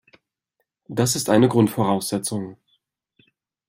Das ist eine Grundvoraussetzung.